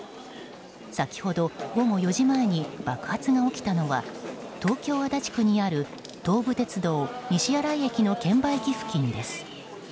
先ほど午後４時前に爆発が起きたのは東京・足立区にある東武鉄道西新井駅の券売機付近です。